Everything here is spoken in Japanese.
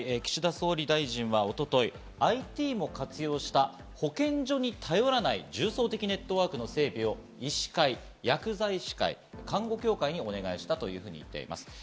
岸田総理大臣は一昨日、ＩＴも活用した保健所に頼らない重層的ネットワークの整備を医師会、薬剤師会、看護協会にお願いしたと言っています。